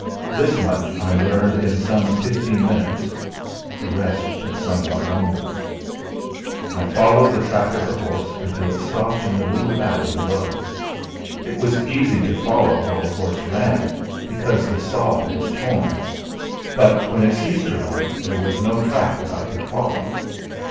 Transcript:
This much I learned in some fifteen minutes; the rest took somewhat longer. "I followed the track of the horse until it stopped in the little valley below. It was easy to follow while the horse ran, because the sod was torn; but when it ceased to run there was no track that I could follow.